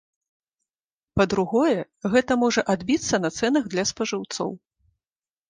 Па-другое, гэта можа адбіцца на цэнах для спажыўцоў.